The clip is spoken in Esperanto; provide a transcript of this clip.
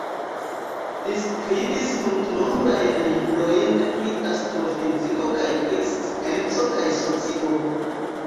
Li skribis multenombrajn librojn pri astrofiziko kaj pri scienco kaj socio.